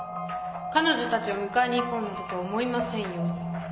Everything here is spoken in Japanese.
彼女たちを迎えに行こうなどと思いませんように。